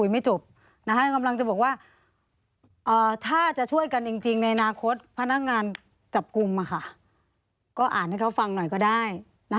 ถ้าจะช่วยกันจริงในอนาคตพนักงานจับกลุ่มก็อ่านให้เขาฟังหน่อยก็ได้